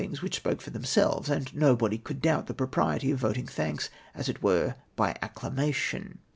s which sjjoke for themselves, and nobody could douLt the propriety of voting thanks, as it were, Ly acclamation.